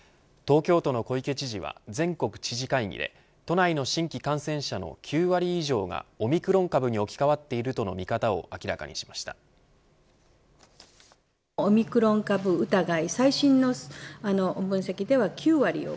東京都の小池知事は全国知事会議で都内の新規感染者の９割以上がオミクロン株に置き替わっているとの見方を明らかにしました。